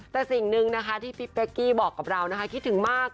แต่สิ่งหนึ่งนะคะที่พี่เป๊กกี้บอกกับเรานะคะคิดถึงมาก